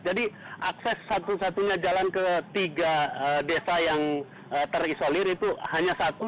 jadi akses satu satunya jalan ke tiga desa yang terisolir itu hanya satu